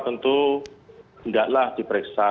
tentu tidaklah diperiksa